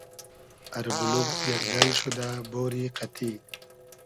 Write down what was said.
اربولوگ یئگ ۮئل شودۂ بۉری قئتی